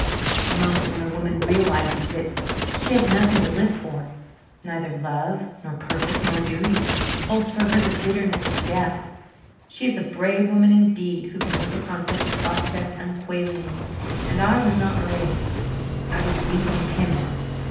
The moment when a woman realizes that she has nothing to live for neither love nor purpose nor duty holds for her the bitterness of death. She is a brave woman indeed who can look upon such a prospect unquailingly, and I was not brave. I was weak and timid.